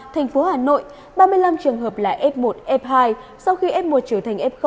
thành phố hà nội ba mươi năm trường hợp là f một f hai sau khi f một trở thành f